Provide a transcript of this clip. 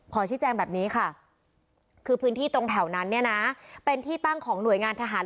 ชี้แจงแบบนี้ค่ะคือพื้นที่ตรงแถวนั้นเนี่ยนะเป็นที่ตั้งของหน่วยงานทหาร